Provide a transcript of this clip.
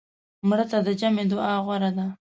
مړه ته د جمعې دعا غوره ده